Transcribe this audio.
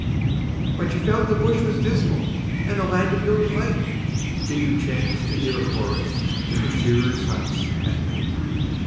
..... But you found the bush was dismal and a land of no delight, Did you chance to hear a chorus in the shearers' huts at night?